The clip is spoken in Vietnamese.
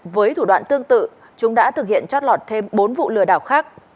với thủ đoạn tương tự chúng đã thực hiện chót lọt thêm bốn vụ lừa đảo khác